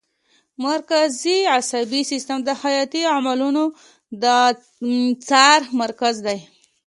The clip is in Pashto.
مرکزي عصبي سیستم د حیاتي عملونو د څار مرکز دی